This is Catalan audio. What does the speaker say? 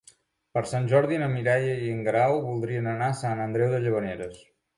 Per Sant Jordi na Mireia i en Guerau voldrien anar a Sant Andreu de Llavaneres.